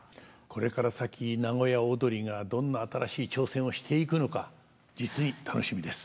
これから先名古屋をどりがどんな新しい挑戦をしていくのか実に楽しみです！